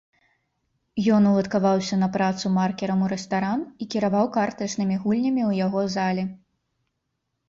Ён уладкаваўся на працу маркерам у рэстаран і кіраваў картачнымі гульнямі ў яго залі.